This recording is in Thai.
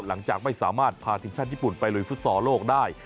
หลังจากไม่สามารถพาทีมชาติญี่ปุ่นไปลุยฟุตซอลโลกได้